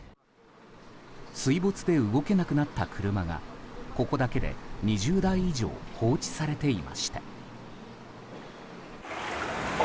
水没で動けなくなった車がここだけで２０台以上放置されていました。